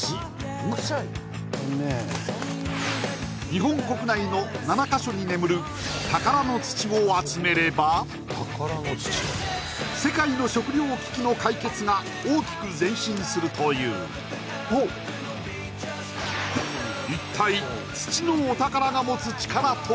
日本国内の７か所に眠る宝の土を集めれば世界の食糧危機の解決が大きく前進するという一体